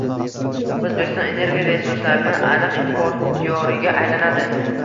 O'zbekiston energiya resurslarining aniq importyoriga aylanadi